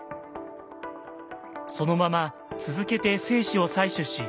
そのまま続けて精子を採取し凍結保存。